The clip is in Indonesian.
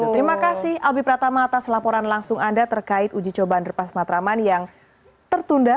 terima kasih albi pratama atas laporan langsung anda terkait uji coba underpass matraman yang tertunda